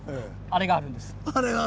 あれがあるんだ。